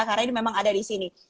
karena ini memang ada di sini